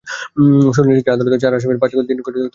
শুনানি শেষে আদালত চার আসামির পাঁচ দিন করে রিমান্ড মঞ্জুর করেন।